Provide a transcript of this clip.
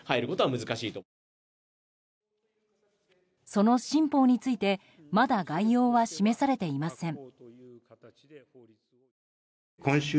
その新法についてまだ、概要は示されていません。